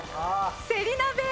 せり鍋！